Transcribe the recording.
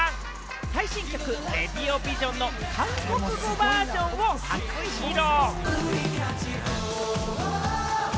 最新曲『ＲａｄｉｏＶｉｓｉｏｎ』の韓国語バージョンを初披露。